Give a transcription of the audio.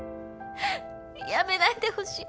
やめないでほしい。